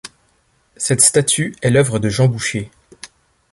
Cette statue est l’œuvre de Jean Boucher.